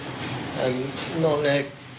สร้างโรงพยาบาล